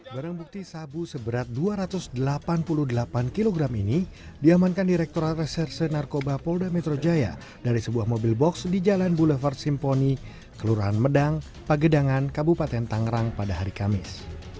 barang bukti sabu seberat dua ratus delapan puluh delapan kg ini diamankan direkturat reserse narkoba polda metro jaya dari sebuah mobil box di jalan boulevard simponi kelurahan medang pagedangan kabupaten tangerang pada hari kamis